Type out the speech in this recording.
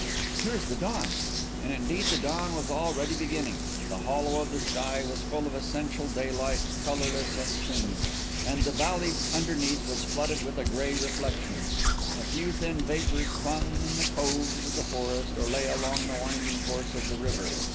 "Here is the dawn." And indeed the dawn was already beginning. The hollow of the sky was full of essential daylight, colourless and clean; and the valley underneath was flooded with a grey reflection. A few thin vapours clung in the coves of the forest or lay along the winding course of the river.